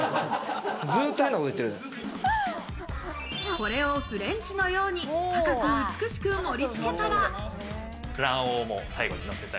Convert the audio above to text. これをフレンチのように高く美しく盛り付けたら。